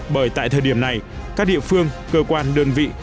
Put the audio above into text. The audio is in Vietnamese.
bởi tại thời điểm này các địa phương cơ quan đơn vị